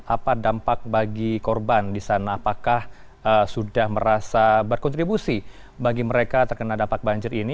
apa dampak bagi korban di sana apakah sudah merasa berkontribusi bagi mereka terkena dampak banjir ini